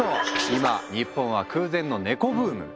今日本は空前のネコブーム。